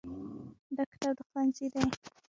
دا کتاب د ښوونځي دی.